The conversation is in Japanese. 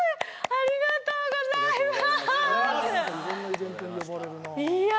ありがとうございます。